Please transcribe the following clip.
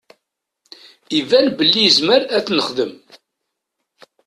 Iban belli izmer ad t-nexdem.